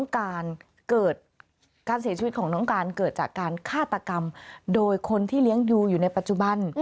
การเกิดการเสียชีวิตของน้องการเกิดจากการฆาตกรรมโดยคนที่เลี้ยงดูอยู่ในปัจจุบัน